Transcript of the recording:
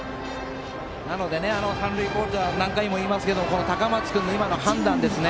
なので三塁コーチャー何回も言いますけど高松君の判断ですよね。